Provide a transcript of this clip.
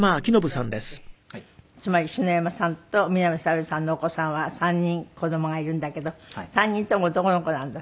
つまり篠山さんと南沙織さんのお子さんは３人子どもがいるんだけど３人とも男の子なんだって？